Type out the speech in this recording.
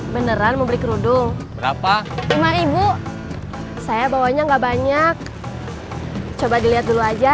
beneran mau beli kerudung berapa lima ibu saya bawanya nggak banyak coba dilihat dulu aja